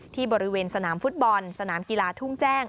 ที่บริเวณสนามฟุตบอลสนามกีฬาทุ่งแจ้ง